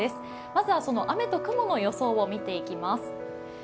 まずは、その雨と雲の予想を見ていきます。